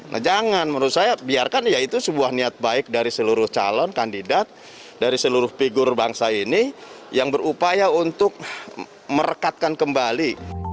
nah jangan menurut saya biarkan ya itu sebuah niat baik dari seluruh calon kandidat dari seluruh figur bangsa ini yang berupaya untuk merekatkan kembali